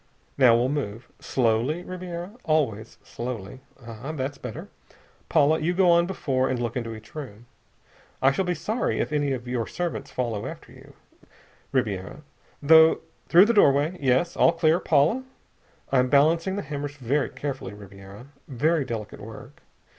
"Now we'll move. Slowly, Ribiera! Always slowly.... Ah! That's better! Paula, you go on before and look into each room. I shall be sorry if any of your servants follow after you, Ribiera.... Through the doorway. Yes! All clear, Paula? I'm balancing the hammers very carefully, Ribiera. Very delicate work.